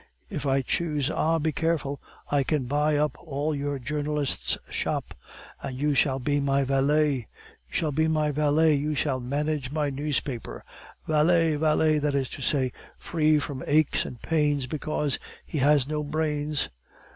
If I choose Ah! be careful. I can buy up all our journalist's shop; you shall be my valet. You shall be my valet, you shall manage my newspaper. Valet! valet, that is to say, free from aches and pains, because he has no brains."